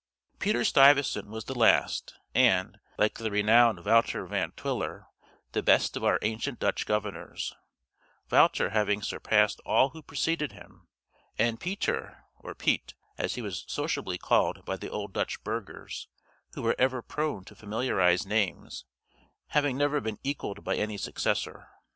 Peter Stuyvesant was the last, and, like the renowned Wouter Van Twiller, the best of our ancient Dutch governors; Wouter having surpassed all who preceded him, and Pieter, or Piet, as he was sociably called by the old Dutch burghers, who were ever prone to familiarize names, having never been equalled by any successor.